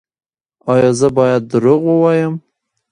ایا زه باید دروغ ووایم؟